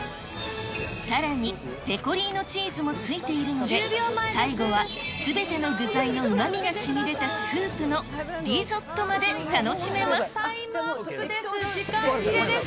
さらに、ペコリーノチーズもついているので、最後はすべての具材のうまみがしみ出たスープのリゾットまで楽しタイムアップです。